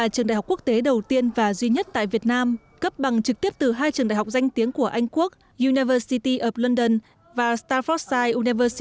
trường đại học anh quốc việt nam được kỳ vọng trở thành mô hình thành công của hợp tác anh việt trong lĩnh vực giáo dục đại học